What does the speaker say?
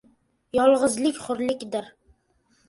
• Yolg‘izlik — hurlikdir.